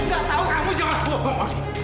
gak tahu kamu jangan bohong odi